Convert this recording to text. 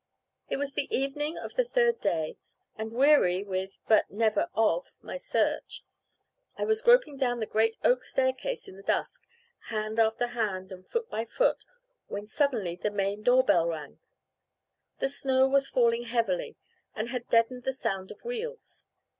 It was the evening of the third day, and weary with but never of my search, I was groping down the great oak staircase in the dusk, hand after hand, and foot by foot, when suddenly the main door bell rang. The snow was falling heavily, and had deadened the sound of wheels.